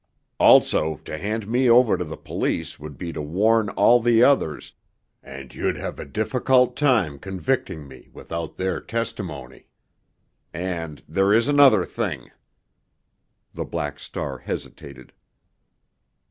Also, to hand me over to the police would be to warn all the others, and you'd have a difficult time convicting me without their testimony. And there is another thing——" The Black Star hesitated.